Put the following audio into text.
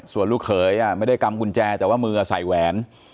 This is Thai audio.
ส่วนลูกเขยไม่ได้กำกุญแจแต่ว่ามือใส่แหวน